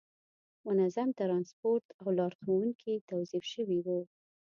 منظم ترانسپورت او لارښوونکي توظیف شوي وو.